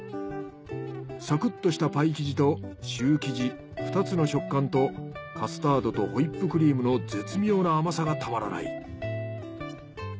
サクッとしたパイ生地とシュー生地２つの食感とカスタードとホイップクリームの絶妙な甘さがたまらない。